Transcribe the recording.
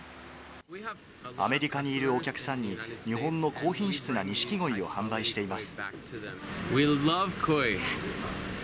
アメリカにいるお客さんに日本の高品質なニシキゴイを販売しています。